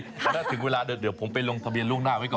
อันนั้นถึงเวลาเดี๋ยวผมไปลงทะเบียนล่วงหน้าไว้ก่อน